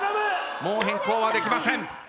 もう変更はできません。